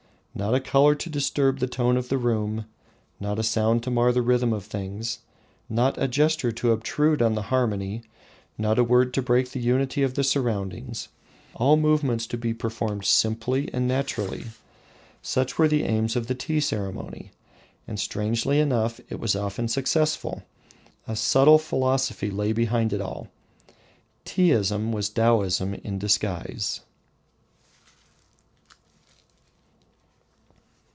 Not a colour to disturb the tone of the room, not a sound to mar the rhythm of things, not a gesture to obtrude on the harmony, not a word to break the unity of the surroundings, all movements to be performed simply and naturally such were the aims of the tea ceremony. And strangely enough it was often successful. A subtle philosophy lay behind it all. Teaism was Taoism in disguise.